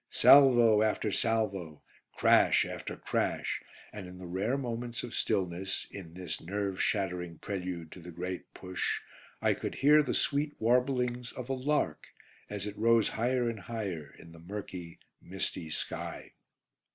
Salvo after salvo; crash after crash; and in the rare moments of stillness, in this nerve shattering prelude to the Great Push, I could hear the sweet warblings of a lark, as it rose higher and higher in the murky, misty sky.